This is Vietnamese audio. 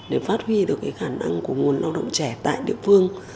để phát huy được cái khả năng của nguồn lao động trẻ tại địa phương